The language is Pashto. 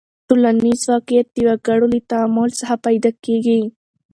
ټولنیز واقعیت د وګړو له تعامل څخه پیدا کېږي.